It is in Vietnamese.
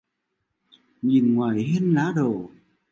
Nhìn ngoài hiên lá đổ